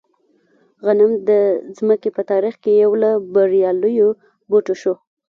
غنم د ځمکې په تاریخ کې یو له بریالیو بوټو شو.